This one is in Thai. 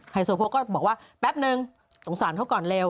โซโพกก็บอกว่าแป๊บนึงสงสารเขาก่อนเร็ว